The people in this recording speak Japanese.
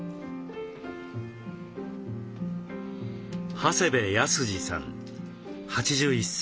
長谷部泰司さん８１歳。